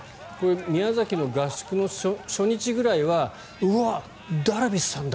宮崎の合宿の初日ぐらいはうわ、ダルビッシュさんだ！